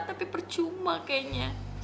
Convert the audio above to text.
tapi percuma kayaknya